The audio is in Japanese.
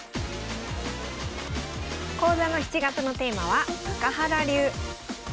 講座の７月のテーマは中原流。